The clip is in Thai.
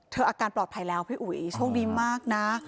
เธอปลอดภัยแล้วช่วงดีมากนะ